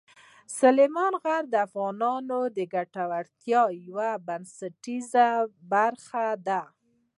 سلیمان غر د افغانانو د ګټورتیا یوه بنسټیزه برخه ده.